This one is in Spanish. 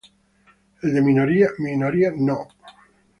El de minoría no.